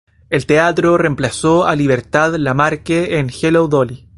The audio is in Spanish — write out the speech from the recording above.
En teatro reemplazó a Libertad Lamarque en "Hello, Dolly!